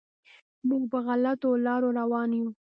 موږ په غلطو لارو روان یم.